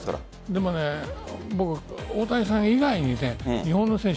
でも大谷さん以外にも日本の選手